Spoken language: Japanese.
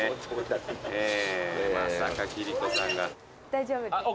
大丈夫です。